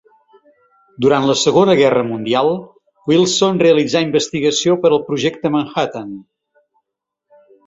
Durant la Segona Guerra Mundial, Wilson realitzà investigació per al Projecte Manhattan.